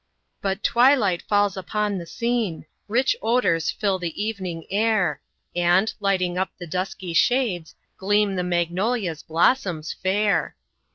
But twilight falls upon the scene; Rich odors fill the evening air; And, lighting up the dusky shades, Gleam the MAGNOLIA'S blossoms fair.